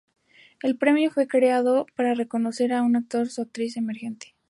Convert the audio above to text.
El premio fue creado para reconocer a un actor o actriz emergente.